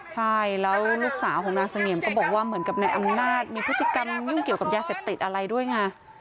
ใช่แล้วลูกสาวของนางเสงี่ยมก็บอกว่าเหมือนกับนายอำนาจมีพฤติกรรมยุ่งเกี่ยวกับยาเสพติดอะไรด้วยไง